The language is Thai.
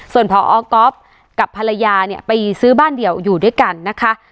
ส่วนพอก๊อฟกับภรรยาเนี่ยไปซื้อบ้านเดียวอยู่ด้วยกันนะคะ